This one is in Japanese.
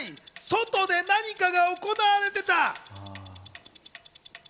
外で何かが行われていた。